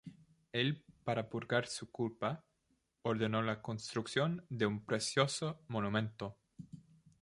Él para purgar su culpa ordenó la construcción de un precioso monumento.